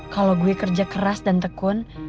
kalau gue kerja keras dan tekun